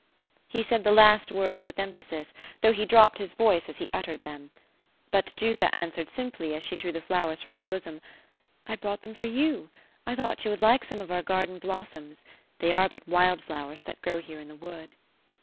'* He said the last words with emphasis, though he dropped his voice as he uttered them. But Jutha answered simply, as she drew the 'flowers from her bosom, ^ I brought them for you ; I thought you would like some of our garden blossoms. They are but wild flowers that grow here in the wood."